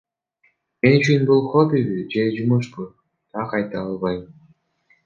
Мен үчүн бул хоббиби же жумушпу так айта албайм.